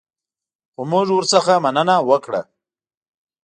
خو موږ ورڅخه مننه وکړه.